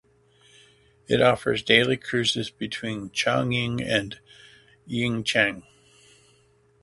It offers daily cruises between Chongqing and Yichang.